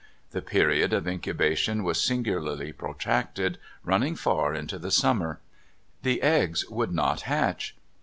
The period of incubation was singularly protracted, running far into the sum mer. The eggs would not hatch.